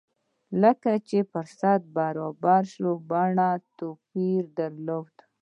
کله چې فرصت برابر شو بڼه يې توپير درلود.